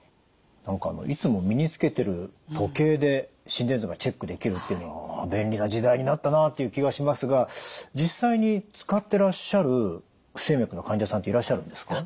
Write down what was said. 何かいつも身につけてる時計で心電図がチェックできるというのは便利な時代になったなという気がしますが実際に使ってらっしゃる不整脈の患者さんっていらっしゃるんですか？